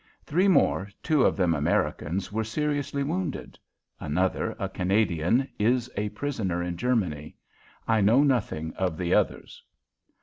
Three more, two of them Americans, were seriously wounded. Another, a Canadian, is a prisoner in Germany. I know nothing of the others.